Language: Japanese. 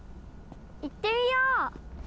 いってみよう！